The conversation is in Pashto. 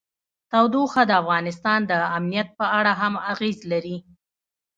تودوخه د افغانستان د امنیت په اړه هم اغېز لري.